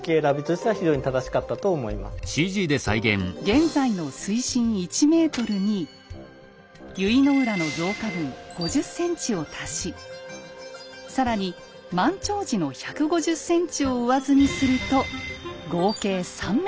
現在の水深１ｍに由比浦の増加分５０ｃｍを足し更に満潮時の１５０ｃｍを上積みすると合計３ｍ。